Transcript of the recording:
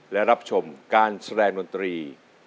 และรับชมการแสดงดนตรี